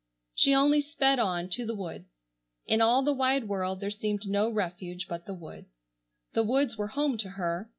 She only sped on, to the woods. In all the wide world there seemed no refuge but the woods. The woods were home to her.